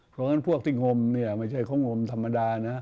เพราะฉะนั้นพวกที่งมไม่ใช่คนงมธรรมดานะ